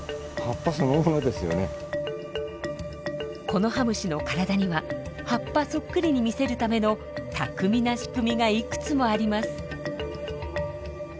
コノハムシの体には葉っぱそっくりに見せるための巧みな仕組みがいくつもあります。